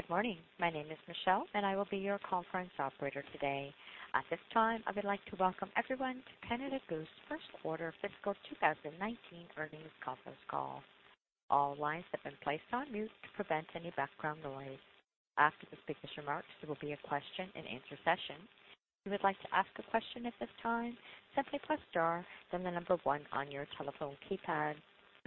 Good morning. My name is Michelle, and I will be your conference operator today. At this time, I would like to welcome everyone to Canada Goose first quarter fiscal 2019 earnings conference call. All lines have been placed on mute to prevent any background noise. After the speaker's remarks, there will be a question and answer session. If you would like to ask a question at this time, simply press star, then the number one on your telephone keypad.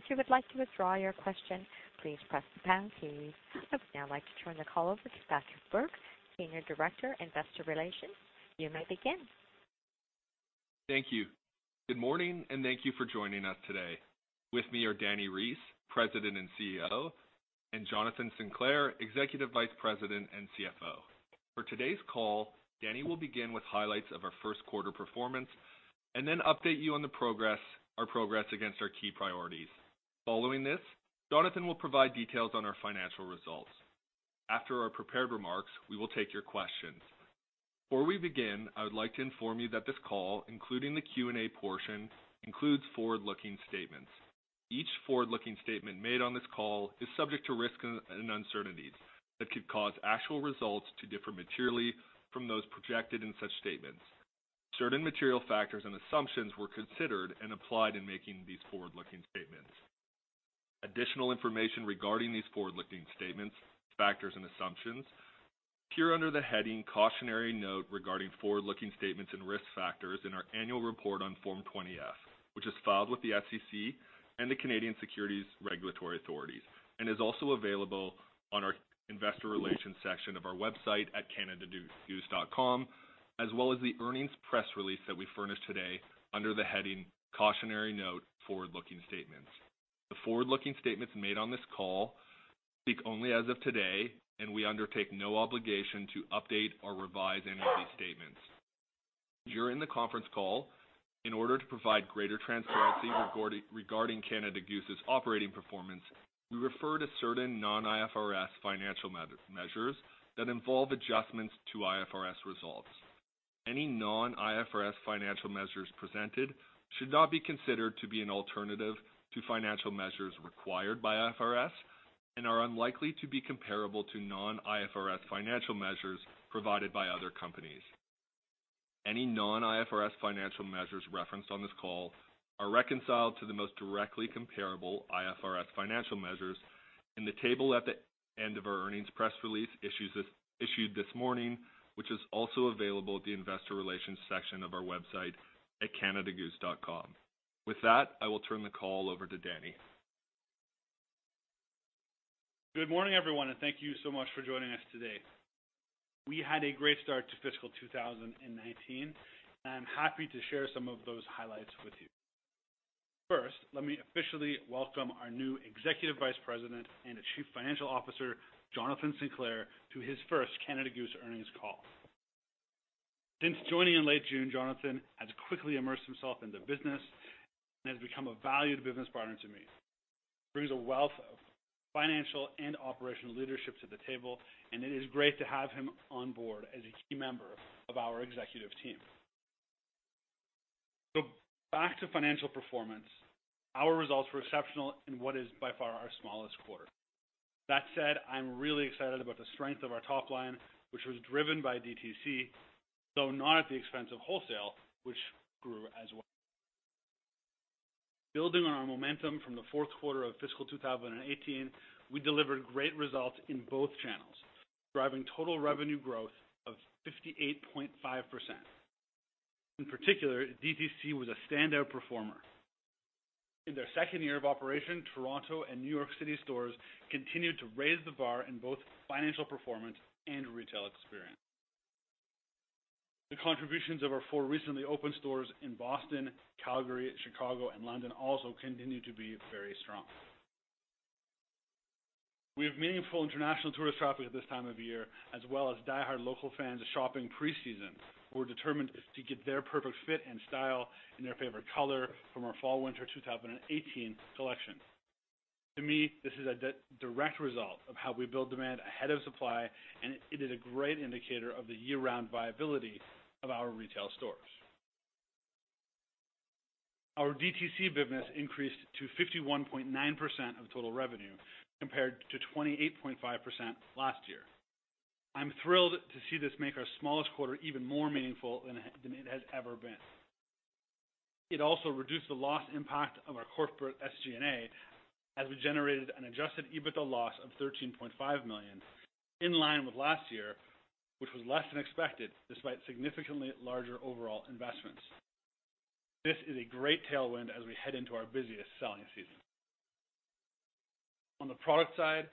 If you would like to withdraw your question, please press the pound key. I would now like to turn the call over to Patrick Bourke, Senior Director, Investor Relations. You may begin. Thank you. Good morning, and thank you for joining us today. With me are Dani Reiss, President and CEO, and Jonathan Sinclair, Executive Vice President and CFO. For today's call, Dani will begin with highlights of our first quarter performance and then update you on our progress against our key priorities. Following this, Jonathan will provide details on our financial results. After our prepared remarks, we will take your questions. Before we begin, I would like to inform you that this call, including the Q&A portion, includes forward-looking statements. Each forward-looking statement made on this call is subject to risks and uncertainties that could cause actual results to differ materially from those projected in such statements. Certain material factors and assumptions were considered and applied in making these forward-looking statements. Additional information regarding these forward-looking statements, factors, and assumptions appear under the heading Cautionary Note regarding forward-looking statements and risk factors in our annual report on Form 20-F, which is filed with the SEC and the Canadian Securities Regulatory Authorities and is also available on our investor relations section of our website at canadagoose.com, as well as the earnings press release that we furnished today under the heading Cautionary Note Forward-looking Statements. The forward-looking statements made on this call speak only as of today, we undertake no obligation to update or revise any of these statements. During the conference call, in order to provide greater transparency regarding Canada Goose's operating performance, we refer to certain non-IFRS financial measures that involve adjustments to IFRS results. Any non-IFRS financial measures presented should not be considered to be an alternative to financial measures required by IFRS and are unlikely to be comparable to non-IFRS financial measures provided by other companies. Any non-IFRS financial measures referenced on this call are reconciled to the most directly comparable IFRS financial measures in the table at the end of our earnings press release issued this morning, which is also available at the investor relations section of our website at canadagoose.com. With that, I will turn the call over to Dani. Good morning, everyone, and thank you so much for joining us today. We had a great start to fiscal 2019. I am happy to share some of those highlights with you. First, let me officially welcome our new Executive Vice President and Chief Financial Officer, Jonathan Sinclair, to his first Canada Goose earnings call. Since joining in late June, Jonathan has quickly immersed himself in the business and has become a valued business partner to me. He brings a wealth of financial and operational leadership to the table, it is great to have him on board as a key member of our executive team. Back to financial performance. Our results were exceptional in what is by far our smallest quarter. That said, I am really excited about the strength of our top line, which was driven by DTC, though not at the expense of wholesale, which grew as well. Building on our momentum from the fourth quarter of fiscal 2018, we delivered great results in both channels, driving total revenue growth of 58.5%. In particular, DTC was a standout performer. In their second year of operation, Toronto and New York City stores continued to raise the bar in both financial performance and retail experience. The contributions of our 4 recently opened stores in Boston, Calgary, Chicago, and London also continue to be very strong. We have meaningful international tourist traffic at this time of year, as well as diehard local fans shopping pre-season who are determined to get their perfect fit and style in their favorite color from our fall/winter 2018 collection. To me, this is a direct result of how we build demand ahead of supply, it is a great indicator of the year-round viability of our retail stores. Our DTC business increased to 51.9% of total revenue, compared to 28.5% last year. I am thrilled to see this make our smallest quarter even more meaningful than it has ever been. It also reduced the loss impact of our corporate SG&A as we generated an adjusted EBITDA loss of 13.5 million, in line with last year, which was less than expected despite significantly larger overall investments. This is a great tailwind as we head into our busiest selling season. On the product side,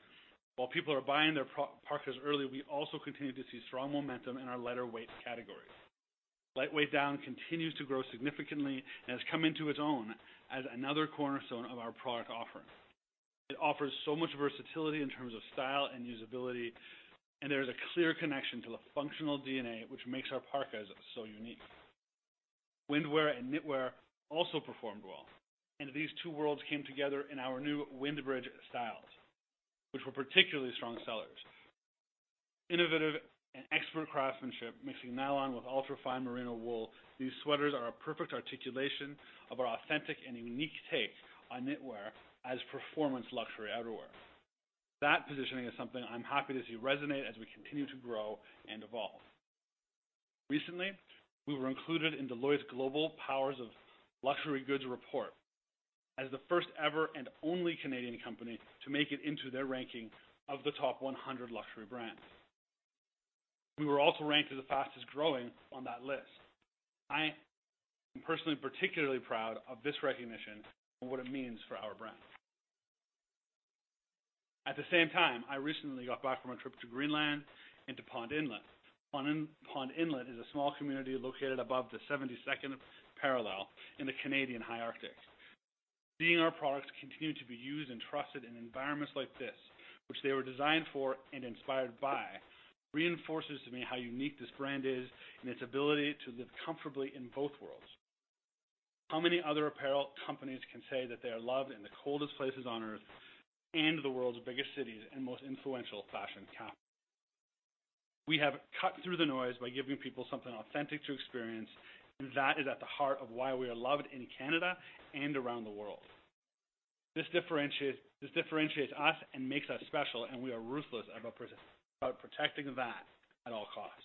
while people are buying their parkas early, we also continue to see strong momentum in our lighter weight categories. Lightweight down continues to grow significantly and has come into its own as another cornerstone of our product offering. It offers so much versatility in terms of style and usability, there is a clear connection to the functional DNA which makes our parkas so unique. Windwear and knitwear also performed well, these two worlds came together in our new WindBridge styles, which were particularly strong sellers. Innovative and expert craftsmanship, mixing nylon with ultra-fine Merino wool. These sweaters are a perfect articulation of our authentic and unique take on knitwear as performance luxury outerwear. That positioning is something I am happy to see resonate as we continue to grow and evolve. Recently, we were included in Deloitte's Global Powers of Luxury Goods Report as the first ever and only Canadian company to make it into their ranking of the top 100 luxury brands. We were also ranked as the fastest growing on that list. I am personally particularly proud of this recognition and what it means for our brand. At the same time, I recently got back from a trip to Greenland and to Pond Inlet. Pond Inlet is a small community located above the 72nd parallel in the Canadian high Arctic. Seeing our products continue to be used and trusted in environments like this, which they were designed for and inspired by, reinforces to me how unique this brand is in its ability to live comfortably in both worlds. How many other apparel companies can say that they are loved in the coldest places on Earth and the world's biggest cities and most influential fashion capitals? We have cut through the noise by giving people something authentic to experience. That is at the heart of why we are loved in Canada and around the world. This differentiates us and makes us special. We are ruthless about protecting that at all costs.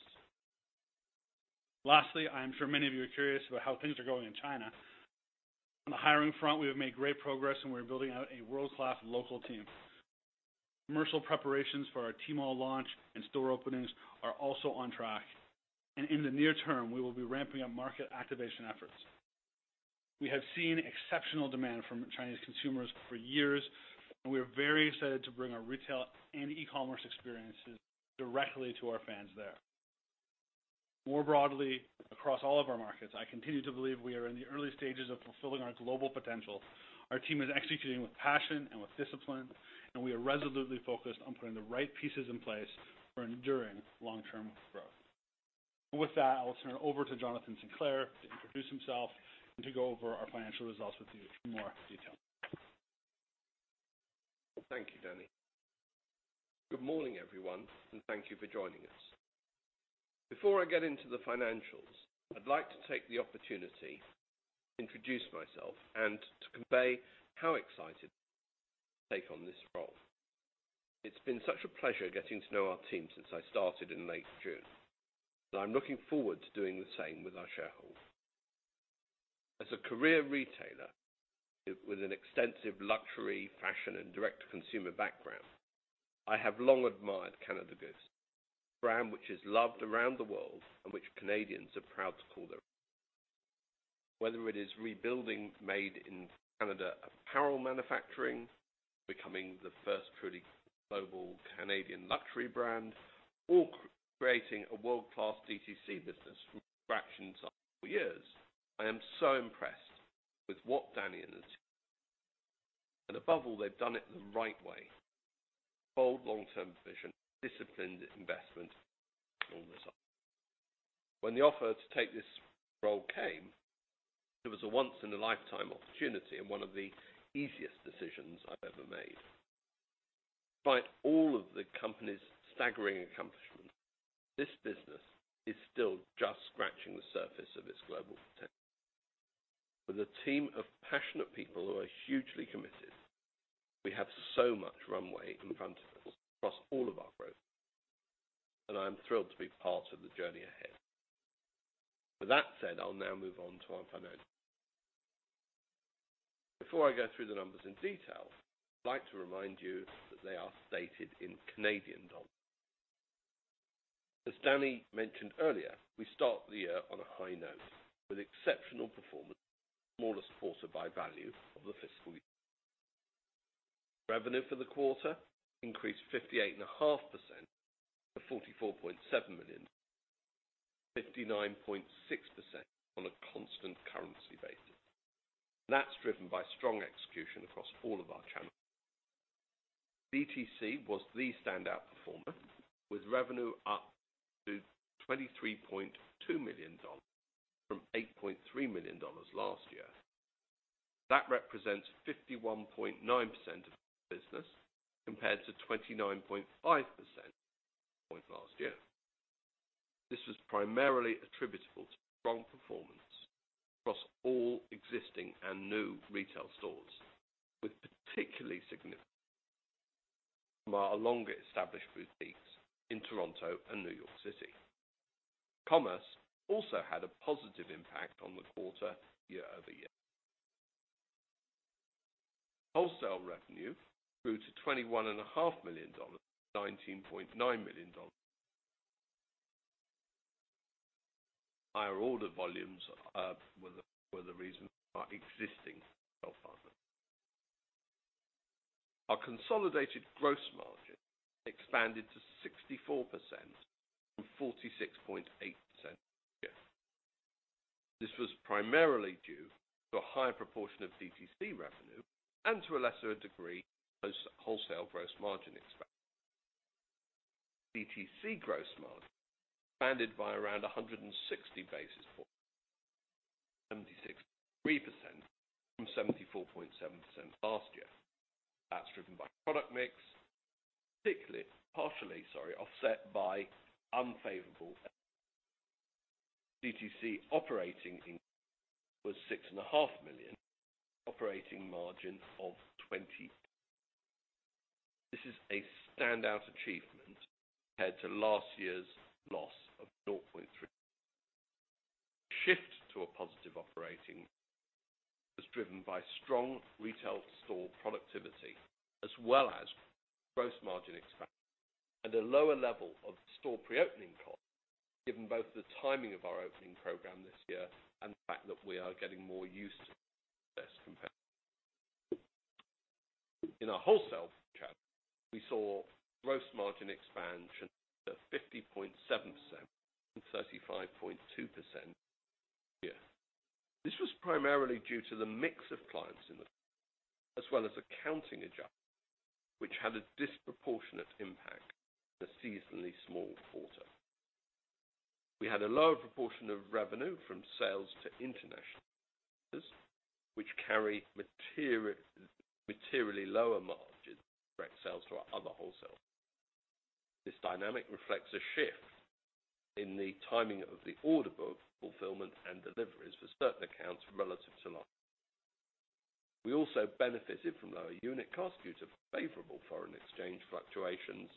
Lastly, I am sure many of you are curious about how things are going in China. On the hiring front, we have made great progress. We are building out a world-class local team. Commercial preparations for our Tmall launch and store openings are also on track. In the near term, we will be ramping up market activation efforts. We have seen exceptional demand from Chinese consumers for years. We are very excited to bring our retail and e-commerce experiences directly to our fans there. More broadly, across all of our markets, I continue to believe we are in the early stages of fulfilling our global potential. Our team is executing with passion and with discipline. We are resolutely focused on putting the right pieces in place for enduring long-term growth. With that, I will turn it over to Jonathan Sinclair to introduce himself and to go over our financial results with you in more detail. Thank you, Dani. Good morning, everyone. Thank you for joining us. Before I get into the financials, I'd like to take the opportunity to introduce myself and to convey how excited take on this role. It's been such a pleasure getting to know our team since I started in late June. I'm looking forward to doing the same with our shareholders. As a career retailer with an extensive luxury fashion and direct-to-consumer background, I have long admired Canada Goose, a brand which is loved around the world and which Canadians are proud to call their own. Whether it is rebuilding made in Canada apparel manufacturing, becoming the first truly global Canadian luxury brand, or creating a world-class DTC business from fraction years. I am so impressed with what Dani and above all, they've done it the right way. Bold, long-term vision, disciplined investment. When the offer to take this role came, it was a once-in-a-lifetime opportunity and one of the easiest decisions I've ever made. Despite all of the company's staggering accomplishments, this business is still just scratching the surface of its global potential. With a team of passionate people who are hugely committed, we have so much runway in front of us across all of our growth areas, I am thrilled to be part of the journey ahead. With that said, I'll now move on to our financials. Before I go through the numbers in detail, I'd like to remind you that they are stated in Canadian dollars. As Dani mentioned earlier, we start the year on a high note with exceptional performance, smallest quarter by value of the fiscal year. Revenue for the quarter increased 58.5% to 44.7 million, 59.6% on a constant currency basis. That's driven by strong execution across all of our channels. DTC was the standout performer, with revenue up to 23.2 million dollars from 8.3 million dollars last year. That represents 51.9% of business, compared to 29.5% last year. This was primarily attributable to strong performance across all existing and new retail stores, with particularly significant from our longer established boutiques in Toronto and New York City. Commerce also had a positive impact on the quarter year-over-year. Wholesale revenue grew to 21.5 million dollars, from 19.9 million dollars. Higher order volumes were the reason for our existing. Our consolidated gross margin expanded to 64% from 46.8% last year. This was primarily due to a higher proportion of DTC revenue and, to a lesser degree, wholesale gross margin expansion. DTC gross margin expanded by around 160 basis points to 76.3% from 74.7% last year. That's driven by product mix, partially offset by unfavorable. DTC operating income was six and a half million, operating margin of 20%. This is a standout achievement compared to last year's loss of 0.3 million. Shift to a positive operating was driven by strong retail store productivity as well as gross margin expansion and a lower level of store pre-opening costs, given both the timing of our opening program this year and the fact that we are getting more used to this compared. In our wholesale channel, we saw gross margin expansion to 50.7% from 35.2% last year. This was primarily due to the mix of clients in the as well as accounting adjustments which had a disproportionate impact in a seasonally small quarter. We had a lower proportion of revenue from sales to international which carry materially lower margins direct sales to our other wholesale. This dynamic reflects a shift in the timing of the order book fulfillment and deliveries for certain accounts relative to last. We also benefited from lower unit costs due to favorable foreign exchange fluctuations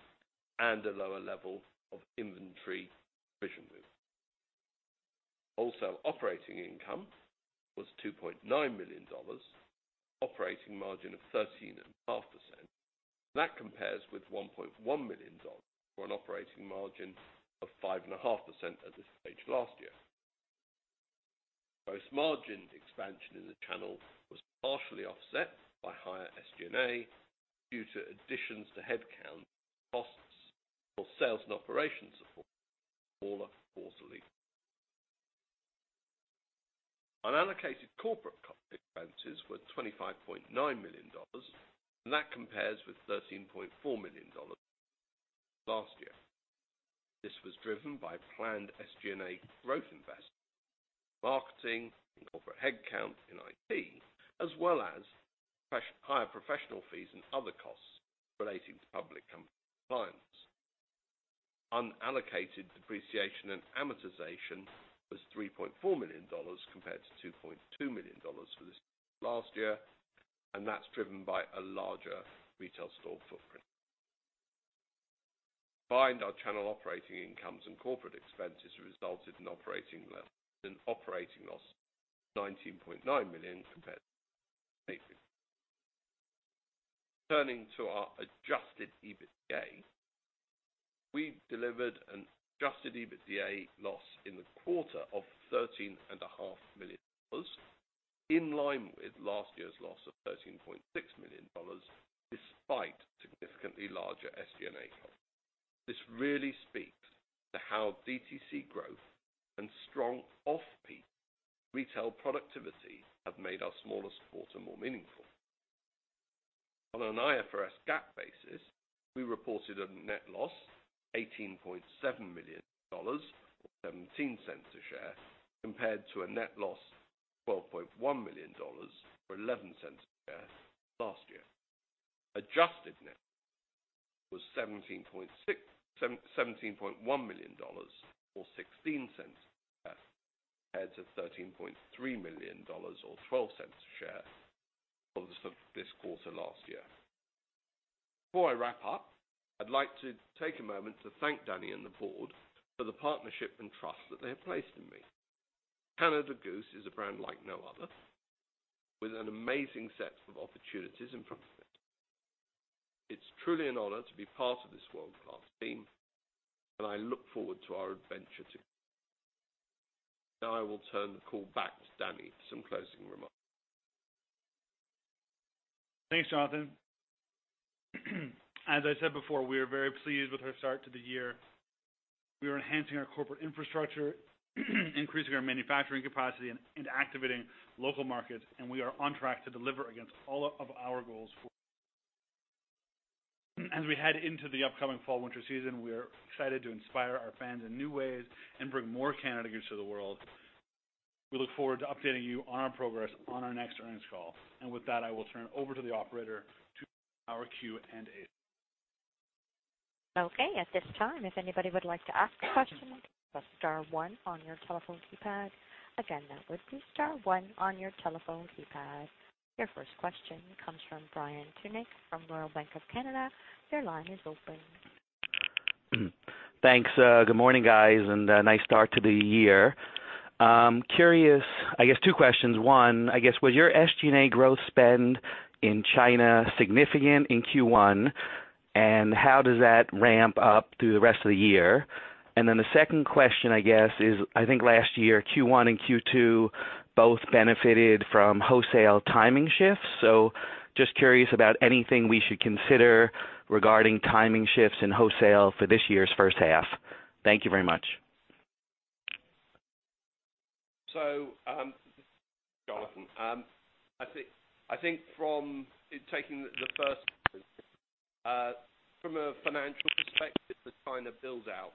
and a lower level of inventory. Wholesale operating income was 2.9 million dollars, operating margin of 13.5%. That compares with 1.1 million dollars or an operating margin of 5.5% at this stage last year. Gross margin expansion in the channel was partially offset by higher SG&A due to additions to headcount costs for sales and operations support quarterly. Unallocated corporate expenses were CAD 25.9 million, that compares with CAD 13.4 million last year. This was driven by planned SG&A growth investment, marketing and corporate headcount in IT, as well as higher professional fees and other costs relating to public company compliance. Unallocated depreciation and amortization was 3.4 million dollars compared to 2.2 million dollars for this last year. That's driven by a larger retail store footprint. Combined, our channel operating incomes and corporate expenses resulted in operating loss of 19.9 million compared to. Turning to our adjusted EBITDA, we delivered an adjusted EBITDA loss in the quarter of 13.5 million dollars, in line with last year's loss of 13.6 million dollars, despite significantly larger SG&A costs. This really speaks to how DTC growth and strong off-peak retail productivity have made our smallest quarter more meaningful. On an IFRS GAAP basis, we reported a net loss 18.7 million dollars or 0.17 a share, compared to a net loss of 12.1 million dollars or 0.11 a share last year. Adjusted net was 17.1 million dollars or 0.16 a share compared to 13.3 million dollars or 0.12 a share for this quarter last year. Before I wrap up, I'd like to take a moment to thank Dani and the board for the partnership and trust that they have placed in me. Canada Goose is a brand like no other, with an amazing set of opportunities in front of it. It's truly an honor to be part of this world-class team. I look forward to our adventure together. Now I will turn the call back to Dani for some closing remarks. Thanks, Jonathan. As I said before, we are very pleased with our start to the year. We are enhancing our corporate infrastructure, increasing our manufacturing capacity. Activating local markets and we are on track to deliver against all of our goals for. As we head into the upcoming fall-winter season, we are excited to inspire our fans in new ways and bring more Canada Goose to the world. We look forward to updating you on our progress on our next earnings call. With that, I will turn over to the operator to our Q&A. Okay. At this time, if anybody would like to ask a question, press star one on your telephone keypad. Again, that would be star one on your telephone keypad. Your first question comes from Brian Tunick from Royal Bank of Canada. Your line is open. Thanks. Good morning, guys. A nice start to the year. Curious, two questions. One, was your SG&A growth spend in China significant in Q1? How does that ramp up through the rest of the year? The second question is, I think last year, Q1 and Q2 both benefited from wholesale timing shifts. Just curious about anything we should consider regarding timing shifts in wholesale for this year's first half. Thank you very much. This is Jonathan Sinclair. I think from a financial perspective, the China build-out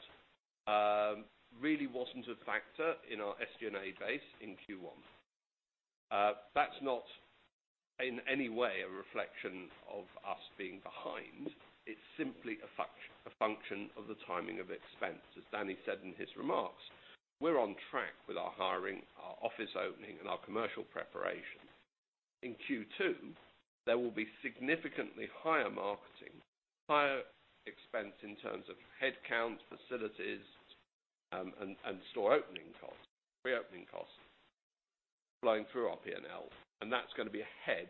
really wasn't a factor in our SG&A base in Q1. That's not in any way a reflection of us being behind. It's simply a function of the timing of expense. As Dani Reiss said in his remarks, we're on track with our hiring, our office opening, and our commercial preparation. In Q2, there will be significantly higher marketing, higher expense in terms of headcounts, facilities, and store opening costs, reopening costs flowing through our P&L. That's going to be ahead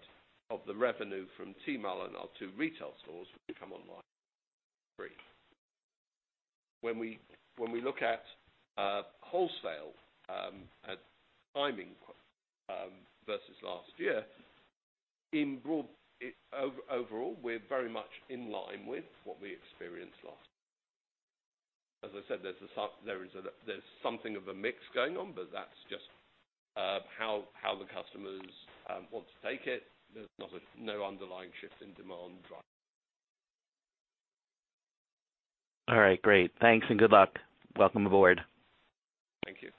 of the revenue from Tmall and our two retail stores, which come online three. When we look at wholesale, at timing versus last year, overall, we're very much in line with what we experienced last. As I said, there's something of a mix going on. That's just how the customers want to take it. There's no underlying shift in demand. All right, great. Thanks. Good luck. Welcome aboard. Thank you.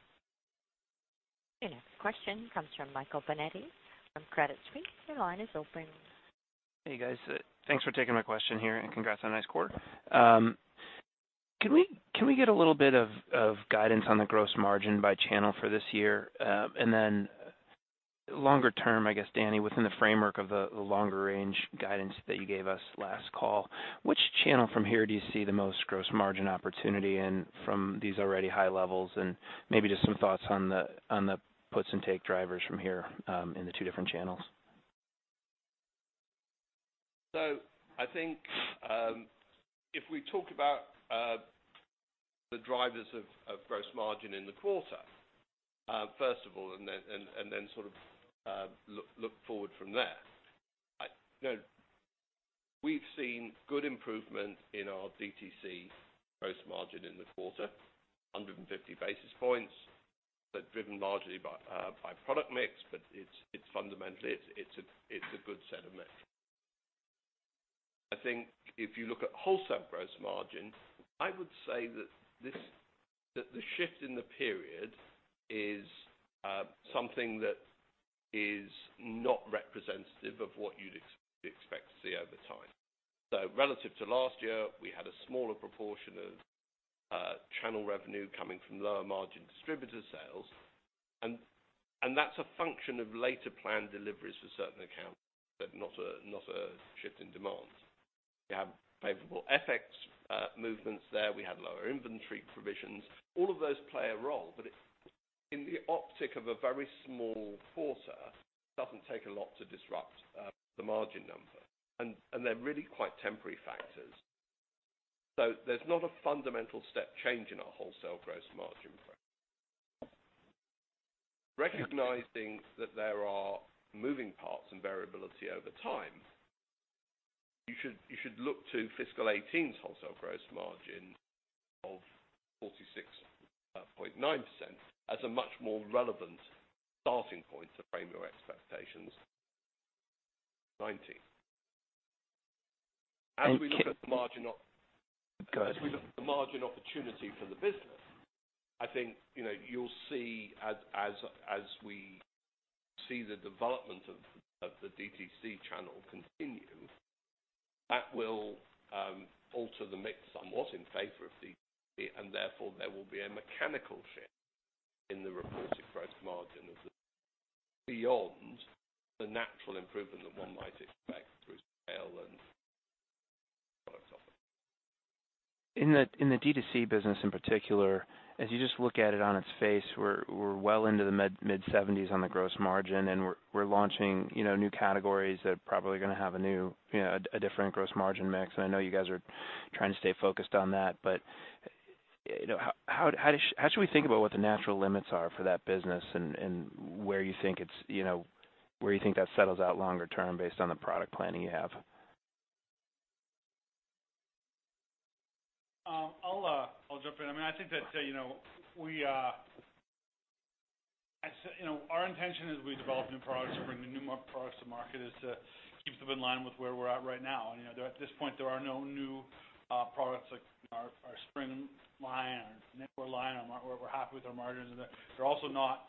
Your next question comes from Michael Binetti from Credit Suisse. Your line is open. Hey, guys. Thanks for taking my question here, and congrats on a nice quarter. Can we get a little bit of guidance on the gross margin by channel for this year? Longer term, I guess, Dani, within the framework of the longer range guidance that you gave us last call, which channel from here do you see the most gross margin opportunity in from these already high levels? Maybe just some thoughts on the puts and take drivers from here in the two different channels. I think if we talk about the drivers of gross margin in the quarter, first of all, and then sort of look forward from there. We've seen good improvement in our DTC gross margin in the quarter, 150 basis points. They're driven largely by product mix, but fundamentally, it's a good set of. I think if you look at wholesale gross margin, I would say that the shift in the period is something that is not representative of what you'd expect to see over time. Relative to last year, we had a smaller proportion of channel revenue coming from lower margin distributor sales, and that's a function of later plan deliveries for certain accounts, but not a shift in demand. We have favorable FX movements there. We have lower inventory provisions. All of those play a role, but in the optic of a very small quarter, it doesn't take a lot to disrupt the margin number. They're really quite temporary factors. There's not a fundamental step change in our wholesale gross margin. Recognizing that there are moving parts and variability over time, you should look to fiscal 2018's wholesale gross margin of 46.9% as a much more relevant starting point to frame your expectations 2019. Go ahead. As we look at the margin opportunity for the business, I think you'll see as we see the development of the DTC channel continue, that will alter the mix somewhat in favor of DTC, therefore there will be a mechanical shift in the reported gross margin beyond the natural improvement that one might expect through scale and product. In the DTC business in particular, as you just look at it on its face, we're well into the mid-70s on the gross margin, we're launching new categories that probably are going to have a different gross margin mix. I know you guys are trying to stay focused on that. How should we think about what the natural limits are for that business and where you think that settles out longer term based on the product planning you have? I'll jump in. Our intention as we develop new products and bring the newer products to market is to keep them in line with where we're at right now. At this point, there are no new products like our spring line, our knitwear line. We're happy with our margins, and they're also not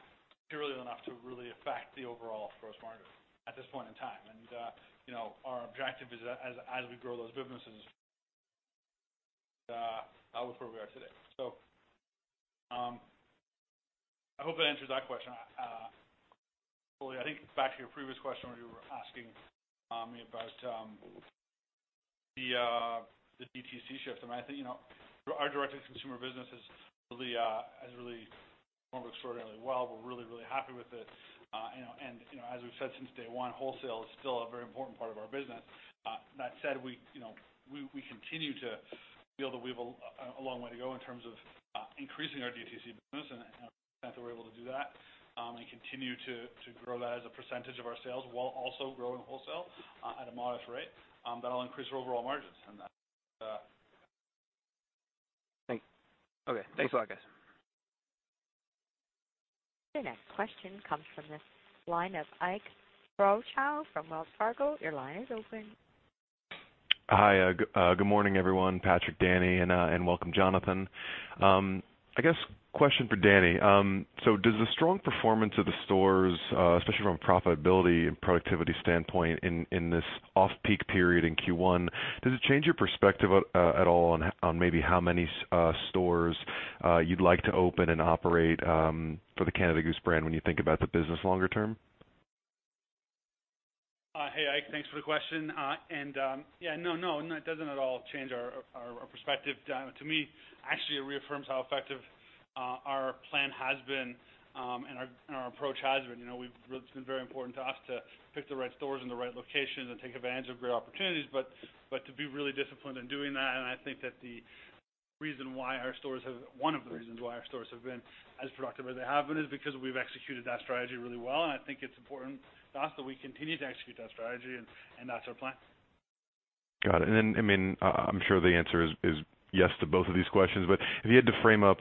material enough to really affect the overall gross margin at this point in time. Our objective as we grow those businesses where we are today. I hope that answers that question. I think back to your previous question where you were asking me about the DTC shift. I think, our direct-to-consumer business has really performed extraordinarily well. We're really happy with it. As we've said since day one, wholesale is still a very important part of our business. That said, we continue to feel that we've a long way to go in terms of increasing our DTC business, and I'm confident we're able to do that, and continue to grow that as a percentage of our sales while also growing wholesale at a modest rate. That'll increase our overall margins and- Thanks. Okay. Thanks a lot, guys. Your next question comes from the line of Ike Boruchow from Wells Fargo. Your line is open. Hi. Good morning, everyone. Patrick, Dani, and welcome, Jonathan. I guess question for Dani. Does the strong performance of the stores, especially from a profitability and productivity standpoint in this off-peak period in Q1, does it change your perspective at all on maybe how many stores you'd like to open and operate for the Canada Goose brand when you think about the business longer term? Hey, Ike. Thanks for the question. Yeah, no, it doesn't at all change our perspective. To me, actually, it reaffirms how effective our plan has been, and our approach has been. It's been very important to us to pick the right stores in the right locations and take advantage of great opportunities, to be really disciplined in doing that. I think that one of the reasons why our stores have been as productive as they have been is because we've executed that strategy really well. I think it's important to us that we continue to execute that strategy. That's our plan. Got it. Then, I'm sure the answer is yes to both of these questions. If you had to frame up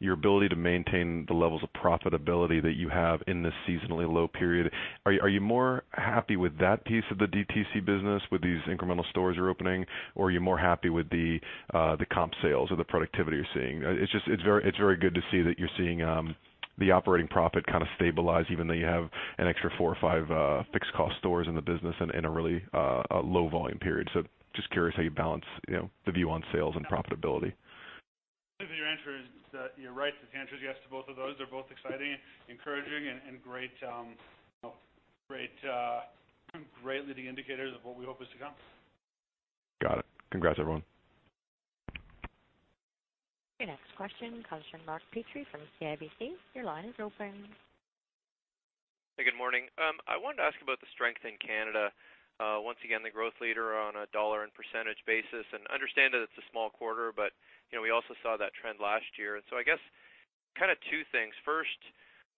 your ability to maintain the levels of profitability that you have in this seasonally low period, are you more happy with that piece of the DTC business, with these incremental stores you're opening, or are you more happy with the comp sales or the productivity you're seeing? It's very good to see that you're seeing the operating profit kind of stabilize, even though you have an extra four or five fixed cost stores in the business in a really low volume period. Just curious how you balance the view on sales and profitability. I think that you're right, that the answer is yes to both of those. They're both exciting, encouraging, and great leading indicators of what we hope is to come. Got it. Congrats, everyone. Your next question comes from Mark Petrie from CIBC. Your line is open. Hey, good morning. I wanted to ask about the strength in Canada. Once again, the growth leader on a dollar and percentage basis, and understand that it's a small quarter, but we also saw that trend last year. I guess two things. First,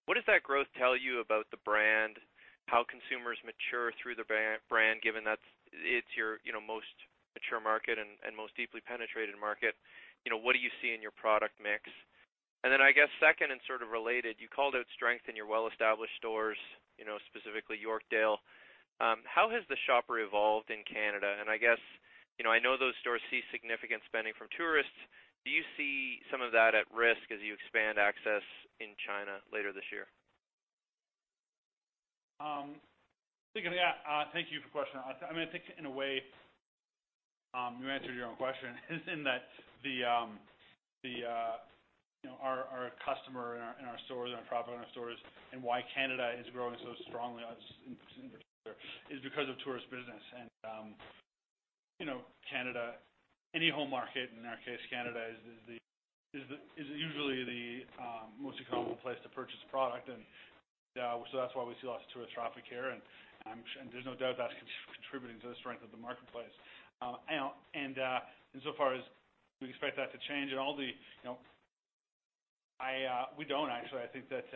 what does that growth tell you about the brand, how consumers mature through the brand, given that it's your most mature market and most deeply penetrated market? What do you see in your product mix? I guess second and sort of related, you called out strength in your well-established stores, specifically Yorkdale. How has the shopper evolved in Canada? I guess, I know those stores see significant spending from tourists. Do you see some of that at risk as you expand access in China later this year? Yeah. Thank you for the question. I think in a way, you answered your own question in that our customer in our stores and our profit in our stores and why Canada is growing so strongly in particular is because of tourist business. Canada, any home market, in our case, Canada is usually the most economical place to purchase product, and so that's why we see lots of tourist traffic here, and there's no doubt that's contributing to the strength of the marketplace. Insofar as do we expect that to change at all, we don't, actually. I think that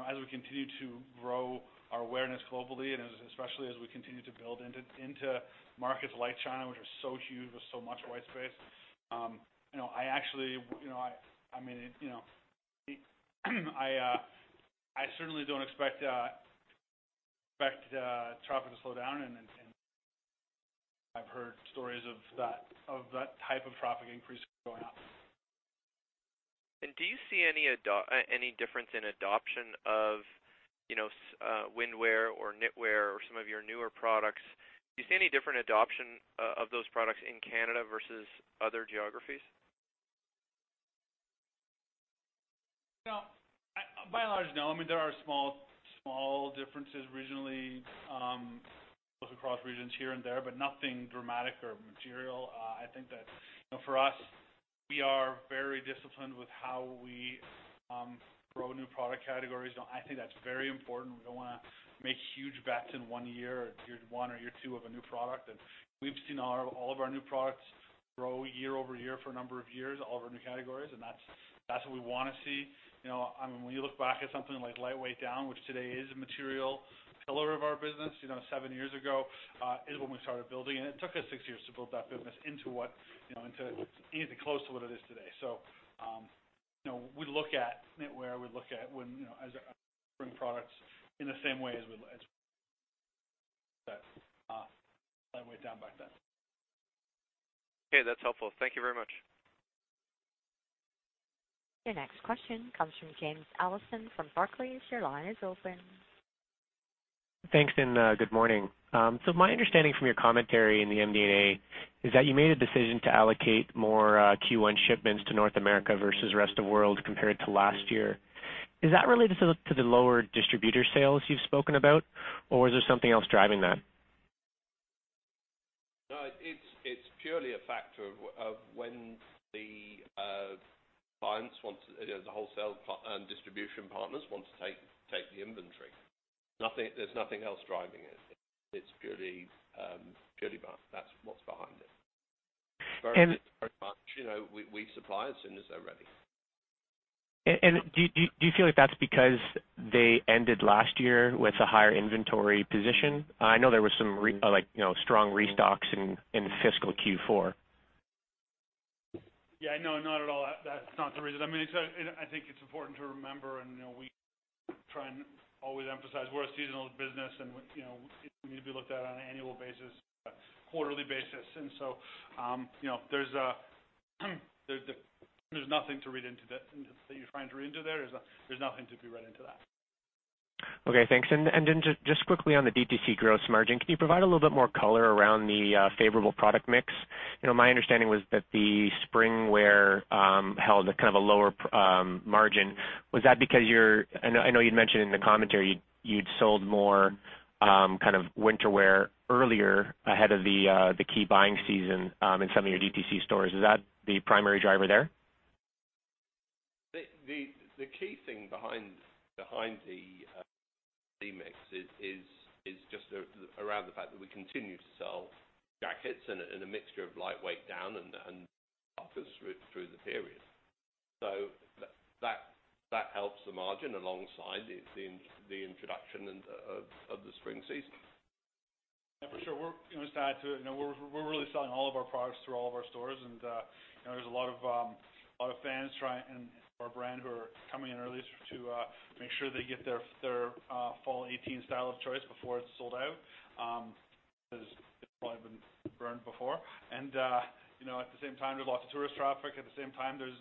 as we continue to grow our awareness globally, and especially as we continue to build into markets like China, which are so huge with so much white space, I certainly don't expect traffic to slow down, and I've heard stories of that type of traffic increase going up. Do you see any difference in adoption of Windwear or Knitwear or some of your newer products? Do you see any different adoption of those products in Canada versus other geographies? By and large, no. There are small differences regionally, both across regions here and there, but nothing dramatic or material. I think that for us, we are very disciplined with how we grow new product categories. I think that's very important. We don't want to make huge bets in one year or year one or year two of a new product. We've seen all of our new products grow year-over-year for a number of years, all of our new categories, and that's what we want to see. When you look back at something like Lightweight Down, which today is a material pillar of our business, seven years ago is when we started building, and it took us six years to build that business into anything close to what it is today. We look at Knitwear, we look at spring products in the same way as we looked at Lightweight Down back then. Okay. That's helpful. Thank you very much. Your next question comes from James Allison from Barclays. Your line is open. Thanks. Good morning. My understanding from your commentary in the MD&A is that you made a decision to allocate more Q1 shipments to North America versus the rest of world compared to last year. Is that related to the lower distributor sales you've spoken about, or is there something else driving that? No, it's purely a factor of when the clients, the wholesale and distribution partners want to take the inventory. There's nothing else driving it. That's what's behind it. And- Very much. We supply as soon as they're ready. Do you feel like that's because they ended last year with a higher inventory position? I know there was some strong restocks in fiscal Q4. Yeah, no, not at all. That's not the reason. I think it's important to remember, we try and always emphasize we're a seasonal business, and we need to be looked at on an annual basis, quarterly basis. There's nothing that you're trying to read into there. There's nothing to be read into that. Okay, thanks. Just quickly on the DTC gross margin, can you provide a little bit more color around the favorable product mix? My understanding was that the spring wear held a lower margin. Was that because I know you'd mentioned in the commentary you'd sold more winter wear earlier ahead of the key buying season in some of your DTC stores. Is that the primary driver there? The key thing behind the mix is just around the fact that we continue to sell jackets and a mixture of lightweight down and through the period. That helps the margin alongside the introduction of the spring season. Yeah, for sure. We're going to add to it. We're really selling all of our products through all of our stores, and there's a lot of fans trying, and our brand who are coming in early to make sure they get their fall 2018 style of choice before it's sold out, because they've probably been burned before. At the same time, there's lots of tourist traffic. At the same time, there's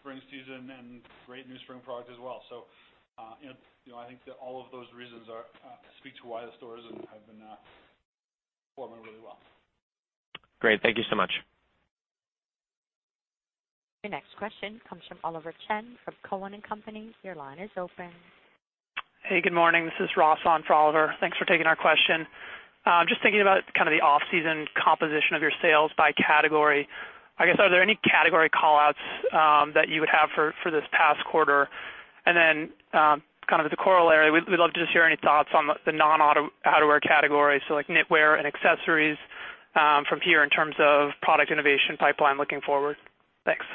spring season and great new spring product as well. I think that all of those reasons speak to why the stores have been performing really well. Great. Thank you so much. Your next question comes from Oliver Chen from Cowen and Company. Your line is open. Hey, good morning. This is Ross on for Oliver. Thanks for taking our question. Just thinking about the off-season composition of your sales by category. I guess, are there any category call-outs that you would have for this past quarter? Then as a corollary, we'd love to just hear any thoughts on the non-outerwear categories, so like knitwear and accessories from here in terms of product innovation pipeline looking forward. Thanks.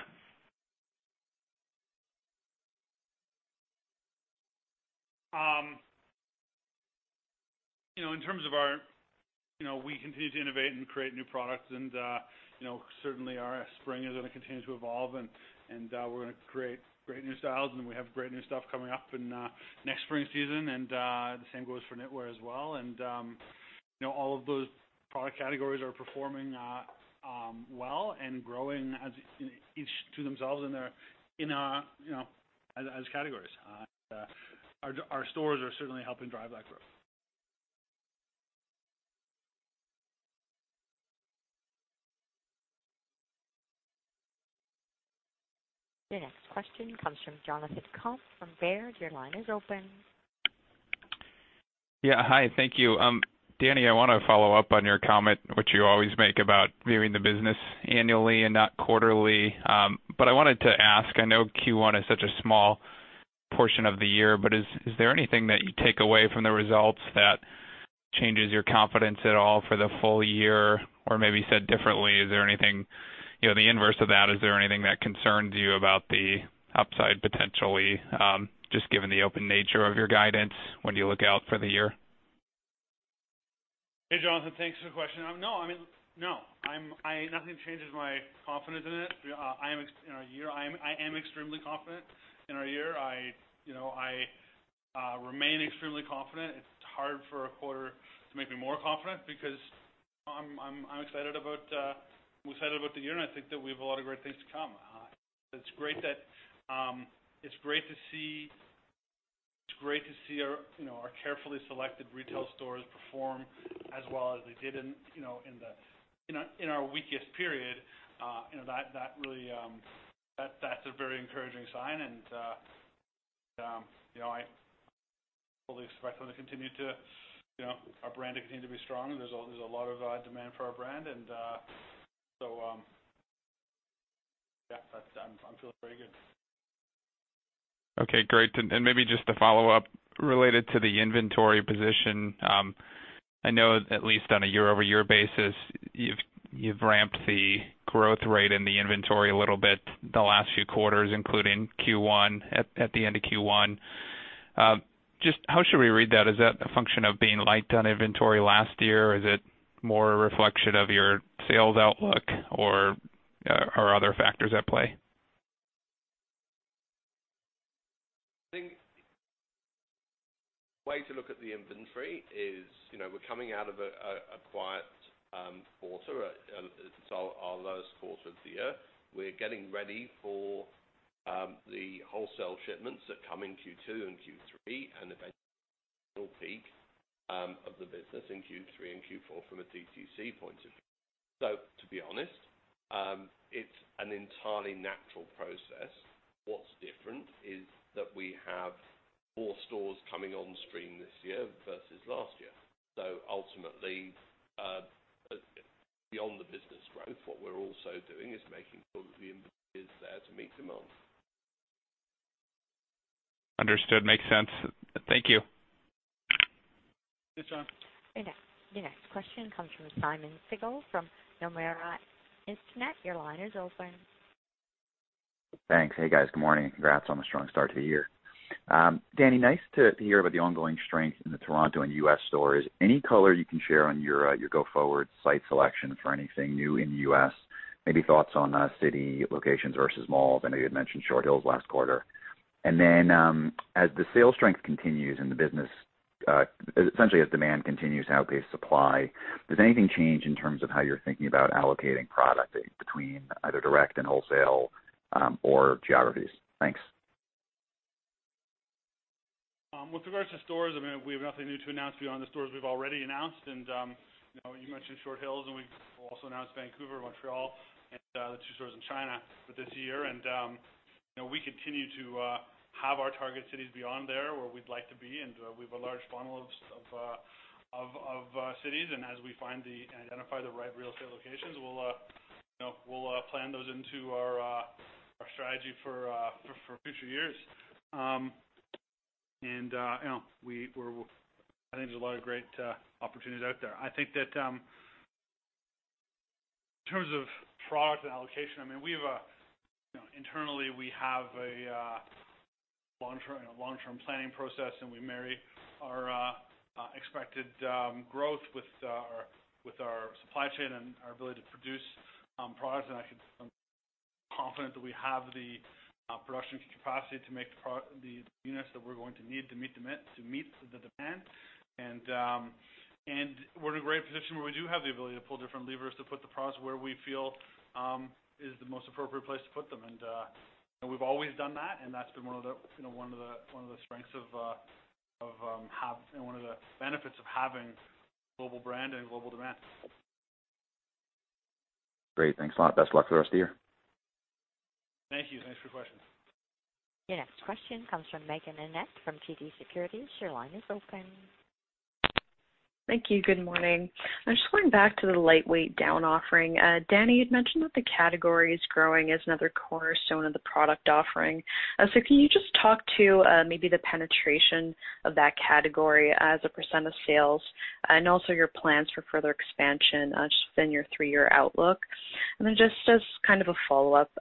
We continue to innovate and create new products, certainly our spring is going to continue to evolve, and we're going to create great new styles, and we have great new stuff coming up in next spring season. The same goes for knitwear as well. All of those product categories are performing well and growing as each to themselves as categories. Our stores are certainly helping drive that growth. Your next question comes from Jonathan Komp from Baird. Your line is open. Yeah. Hi, thank you. Dani, I want to follow up on your comment, which you always make about viewing the business annually and not quarterly. I wanted to ask, I know Q1 is such a small portion of the year, but is there anything that you take away from the results that changes your confidence at all for the full year? Maybe said differently, is there anything, the inverse of that, is there anything that concerns you about the upside potentially, just given the open nature of your guidance when you look out for the year? Hey, Jonathan. Thanks for the question. No. Nothing changes my confidence in it. In our year, I am extremely confident. In our year, I remain extremely confident. It's hard for a quarter to make me more confident because I'm excited about the year, and I think that we have a lot of great things to come. It's great to see our carefully selected retail stores perform as well as they did in our weakest period. That's a very encouraging sign, and I fully expect our brand to continue to be strong. There's a lot of demand for our brand. Yeah. I'm feeling very good. Okay, great. Maybe just to follow up, related to the inventory position. I know at least on a year-over-year basis, you've ramped the growth rate in the inventory a little bit the last few quarters, including Q1, at the end of Q1. Just how should we read that? Is that a function of being light on inventory last year, or is it more a reflection of your sales outlook or are other factors at play? I think the way to look at the inventory is, we're coming out of a quiet quarter. It's our lowest quarter of the year. We're getting ready for the wholesale shipments that come in Q2 and Q3, and eventually peak of the business in Q3 and Q4 from a DTC point of view. To be honest, it's an entirely natural process. What's different is that we have more stores coming on stream this year versus last year. Ultimately, beyond the business growth, what we're also doing is making sure that the inventory is there to meet demand. Understood. Makes sense. Thank you. Yes, Jon. Your next question comes from Simeon Siegel from Nomura Instinet. Your line is open. Thanks. Hey, guys. Good morning, and congrats on the strong start to the year. Dani, nice to hear about the ongoing strength in the Toronto and U.S. stores. Any color you can share on your go-forward site selection for anything new in the U.S.? Maybe thoughts on city locations versus malls. I know you had mentioned Short Hills last quarter. Then, as the sales strength continues in the business, essentially as demand continues to outpace supply, does anything change in terms of how you're thinking about allocating product between either direct and wholesale, or geographies? Thanks. With regards to stores, we have nothing new to announce beyond the stores we've already announced. You mentioned Short Hills, and we've also announced Vancouver, Montreal, and the two stores in China for this year. We continue to have our target cities beyond there where we'd like to be, and we have a large funnel of cities. As we find and identify the right real estate locations, we'll plan those into our strategy for future years. I think there's a lot of great opportunities out there. I think that in terms of product and allocation, internally we have a long-term planning process, and we marry our expected growth with our supply chain and our ability to produce products. I feel confident that we have the production capacity to make the units that we're going to need to meet the demand. We're in a great position where we do have the ability to pull different levers to put the products where we feel is the most appropriate place to put them. We've always done that, and that's been one of the strengths and one of the benefits of having a global brand and global demand. Great. Thanks a lot. Best of luck for the rest of the year. Thank you. Thanks for your question. Your next question comes from Meaghan Annett from TD Securities. Your line is open. Thank you. Good morning. I'm just going back to the lightweight down offering. Dani, you'd mentioned that the category is growing as another cornerstone of the product offering. Can you just talk to maybe the penetration of that category as a % of sales, and also your plans for further expansion, just within your three-year outlook? Just as kind of a follow-up,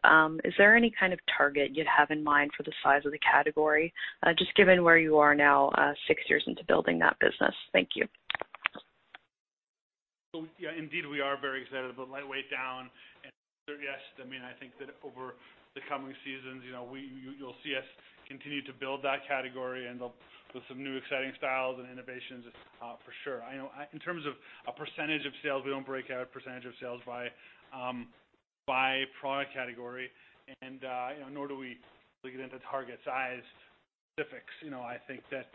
is there any kind of target you'd have in mind for the size of the category, just given where you are now six years into building that business? Thank you. yeah, indeed, we are very excited about lightweight down. Yes, I think that over the coming seasons, you'll see us continue to build that category and with some new exciting styles and innovations, for sure. In terms of a percentage of sales, we don't break out a percentage of sales by product category, and nor do we really get into target size specifics. I think that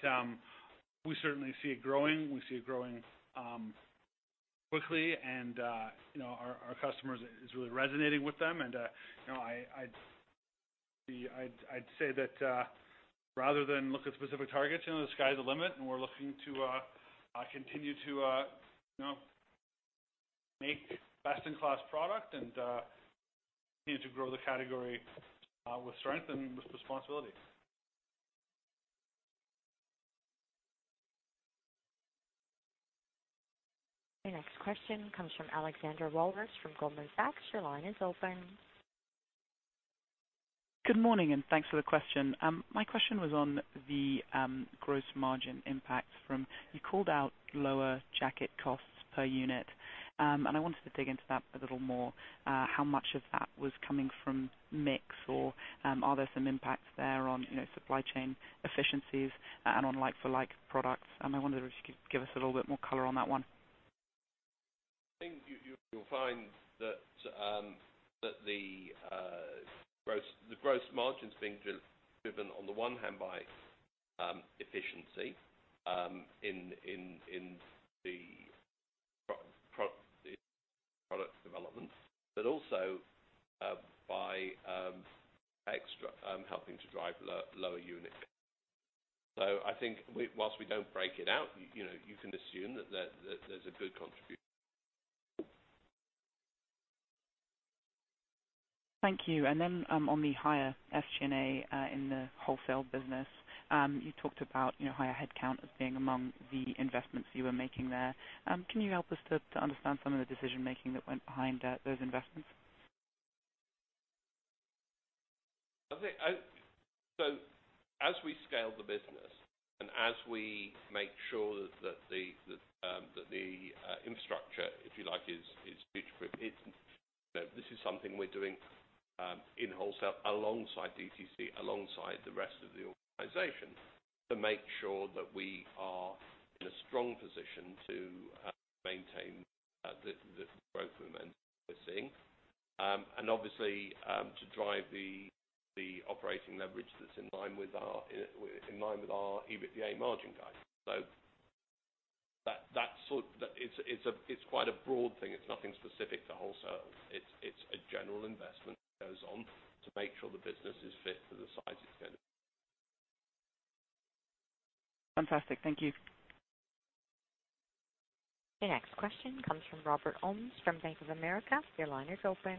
we certainly see it growing. We see it growing quickly, and our customers, it's really resonating with them. I'd say that rather than look at specific targets, the sky's the limit, and we're looking to continue to make best-in-class product and continue to grow the category with strength and with responsibility. Your next question comes from Alexandra Walvis from Goldman Sachs. Your line is open. Good morning, and thanks for the question. You called out lower jacket costs per unit. I wanted to dig into that a little more. How much of that was coming from mix, or are there some impacts there on supply chain efficiencies and on like-for-like products? I wonder if you could give us a little bit more color on that one. I think you'll find that the gross margin's being driven on the one hand by efficiency in the product development, but also by extra helping to drive lower unit. I think whilst we don't break it out, you can assume that there's a good contribution. Thank you. On the higher SG&A in the wholesale business, you talked about higher headcount as being among the investments you were making there. Can you help us to understand some of the decision making that went behind those investments? As we scale the business and as we make sure that the infrastructure, if you like, is future-proof, this is something we're doing in wholesale alongside DTC, alongside the rest of the organization to make sure that we are in a strong position to maintain the growth momentum that we're seeing, and obviously to drive the operating leverage that's in line with our EBITDA margin guidance. It's quite a broad thing. It's nothing specific to wholesale. It's a general investment that goes on to make sure the business is fit for the size it's going to be. Fantastic. Thank you. The next question comes from Robert Ohmes from Bank of America. Your line is open.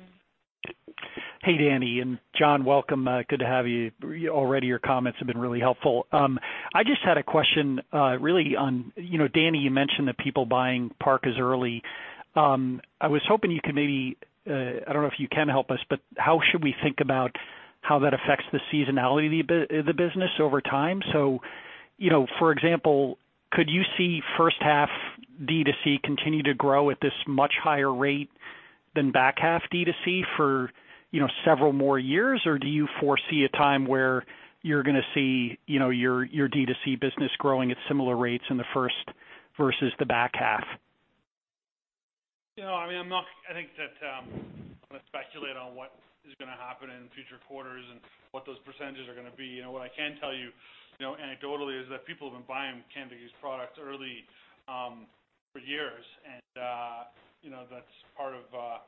Hey, Dani and Jon. Welcome. Good to have you. Already your comments have been really helpful. I just had a question really on, Dani, you mentioned that people buying parkas early. I was hoping you could maybe, I don't know if you can help us, but how should we think about how that affects the seasonality of the business over time? For example, could you see first half D2C continue to grow at this much higher rate than back half D2C for several more years? Do you foresee a time where you're going to see your D2C business growing at similar rates in the first versus the back half? I think that I'm not going to speculate on what is going to happen in future quarters and what those percentages are going to be. What I can tell you, anecdotally, is that people have been buying Canada Goose products early for years, and that's part of why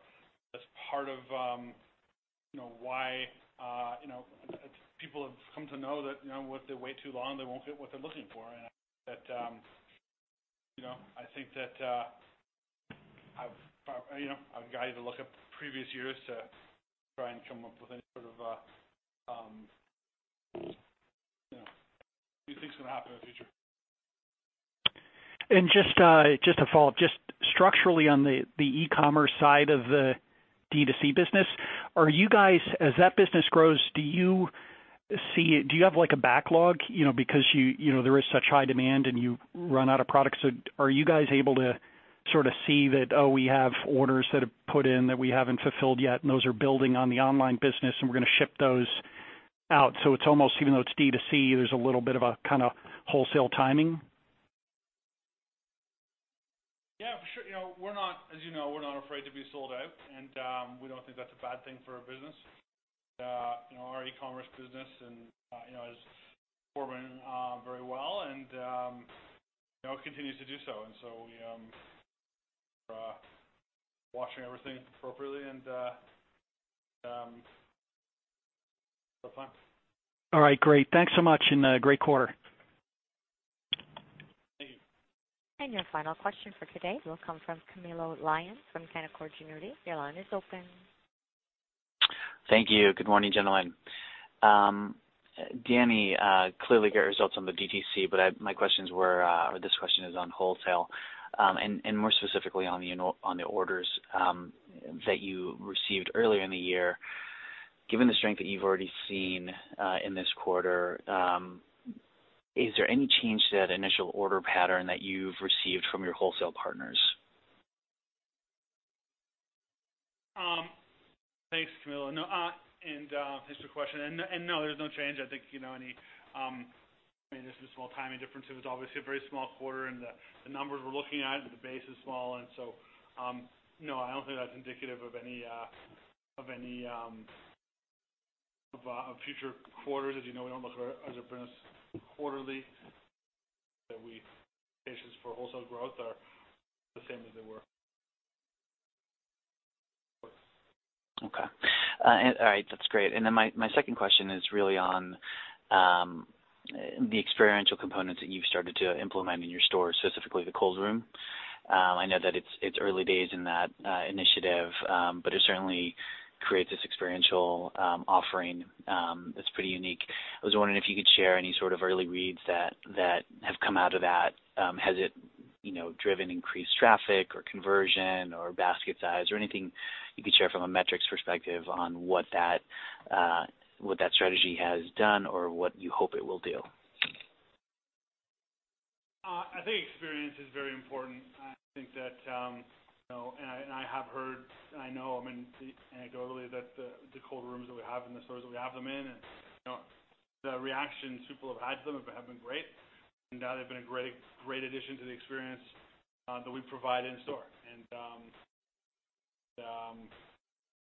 people have come to know that if they wait too long, they won't get what they're looking for. I think that I've got you to look at previous years to try and come up with any sort of what you think is going to happen in the future. Just to follow up, just structurally on the e-commerce side of the D2C business, are you guys, as that business grows, do you have a backlog because there is such high demand, and you run out of products? Are you guys able to sort of see that, oh, we have orders that are put in that we haven't fulfilled yet, and those are building on the online business, and we're going to ship those out. It's almost, even though it's D2C, there's a little bit of a wholesale timing? Yeah, for sure. As you know, we're not afraid to be sold out, and we don't think that's a bad thing for our business. Our e-commerce business is performing very well, and continues to do so. We are watching everything appropriately and so far. All right, great. Thanks so much, great quarter. Thank you. Your final question for today will come from Camilo Lyon from Canaccord Genuity. Your line is open. Thank you. Good morning, gentlemen. Dani, clearly great results on the D2C, but this question is on wholesale, and more specifically on the orders that you received earlier in the year. Given the strength that you've already seen in this quarter, is there any change to that initial order pattern that you've received from your wholesale partners? Thanks, Camilo, thanks for the question. No, there's no change. I think there's some small timing differences. Obviously, a very small quarter, and the numbers we're looking at, the base is small. No, I don't think that's indicative of any future quarters. As you know, we don't look at our business quarterly, that we patience for wholesale growth are the same as they were. Okay. All right. That's great. My second question is really on the experiential components that you've started to implement in your store, specifically the cold room. I know that it's early days in that initiative, but it certainly creates this experiential offering that's pretty unique. I was wondering if you could share any sort of early reads that have come out of that. Has it driven increased traffic or conversion or basket size or anything you could share from a metrics perspective on what that strategy has done or what you hope it will do? I think experience is very important. I think that, and I have heard, and I know anecdotally that the cold rooms that we have and the stores that we have them in and the reactions people have had to them have been great. That they've been a great addition to the experience that we provide in store. We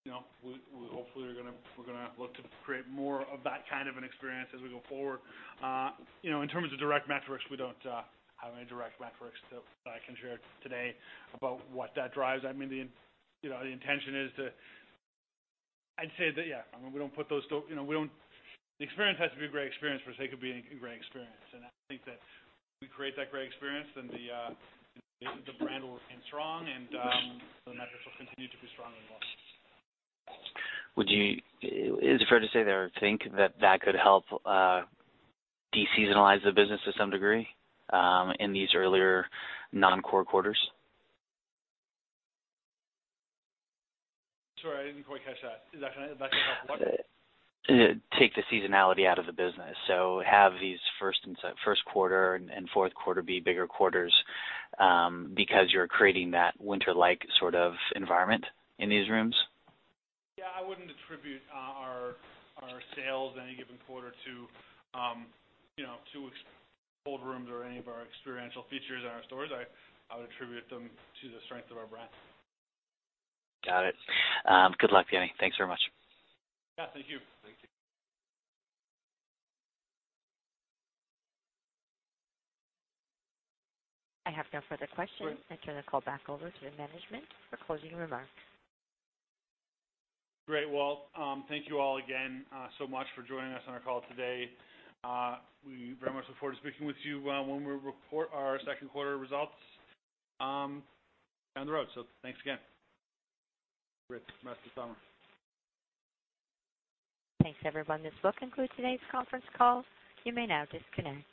hopefully we're going to look to create more of that kind of an experience as we go forward. In terms of direct metrics, we don't have any direct metrics that I can share today about what that drives. I'd say that, yeah, the experience has to be a great experience for the sake of being a great experience. I think that if we create that great experience, then the brand will remain strong, and the metrics will continue to be strong as well. Is it fair to say there, think that that could help de-seasonalize the business to some degree in these earlier non-core quarters? Sorry, I didn't quite catch that. That could help what? Take the seasonality out of the business. Have these first quarter and fourth quarter be bigger quarters because you're creating that winter-like sort of environment in these rooms. Yeah, I wouldn't attribute our sales any given quarter to cold rooms or any of our experiential features in our stores. I would attribute them to the strength of our brand. Got it. Good luck, Dani. Thanks very much. Yeah, thank you. I have no further questions. Great. I turn the call back over to the management for closing remarks. Great. Well, thank you all again so much for joining us on our call today. We very much look forward to speaking with you when we report our second quarter results down the road. Thanks again. Great rest of the summer. Thanks, everyone. This will conclude today's conference call. You may now disconnect.